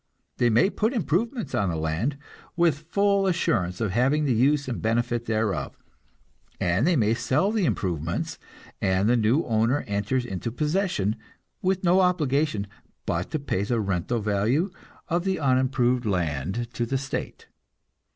They may put improvements on the land, with full assurance of having the use and benefit thereof, and they may sell the improvements, and the new owner enters into possession, with no obligation but to pay the rental value of the unimproved land to the state.